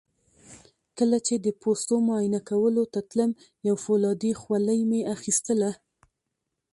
کله چې د پوستو معاینه کولو ته تلم یو فولادي خولۍ مې اخیستله.